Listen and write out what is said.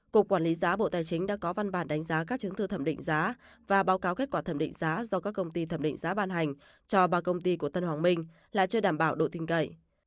cục quản lý giá bộ tài chính đã có văn bản đánh giá các chứng thư thẩm định giá và báo cáo kết quả thẩm định giá do các công ty thẩm định giá ban hành cho ba công ty của tân hoàng minh là chưa đảm bảo độ tin cậy